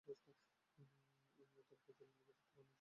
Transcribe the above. এই নিয়ে তর্ক চলছে, কিছুতে তার মীমাংসা হচ্ছে না।